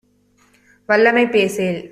வல்லமை பேசேல்.